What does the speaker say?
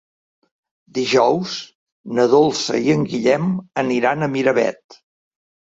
Dijous na Dolça i en Guillem aniran a Miravet.